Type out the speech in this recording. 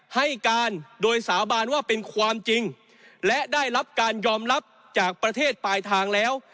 ให้การโดยสาบานว่าเป็นความจริงและได้รับการยอมรับจากประเทศปลายทางแล้ว